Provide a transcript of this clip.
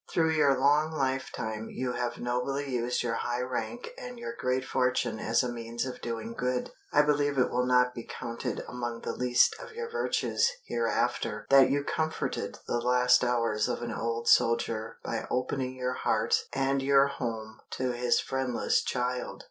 Through your long lifetime you have nobly used your high rank and your great fortune as a means of doing good. I believe it will not be counted among the least of your virtues hereafter that you comforted the last hours of an old soldier by opening your heart and your home to his friendless child."